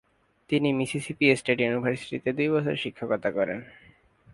তিনি Mississippi State ইউনিভার্সিটিতে দুই বছর শিক্ষকতা করেন।